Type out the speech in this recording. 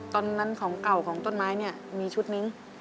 ตอนนั้นของเก่าของต้นไม้นี่มีชุดนิ้ง